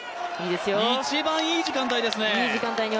一番、いい時間帯ですね。